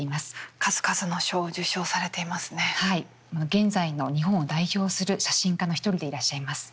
現在の日本を代表する写真家の一人でいらっしゃいます。